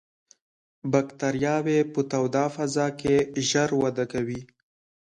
باکتریاوې په توده فضا کې ژر وده کوي.